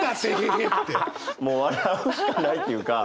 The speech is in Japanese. もう笑うしかないっていうか。